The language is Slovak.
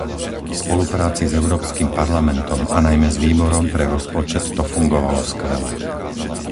V spolupráci s Európskym parlamentom a najmä s Výborom pre rozpočet to fungovalo skvele.